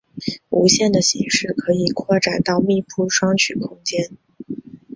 无限的形式可以扩展到密铺双曲空间。